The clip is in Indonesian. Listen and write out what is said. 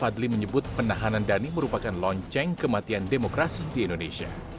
fadli menyebut penahanan dhani merupakan lonceng kematian demokrasi di indonesia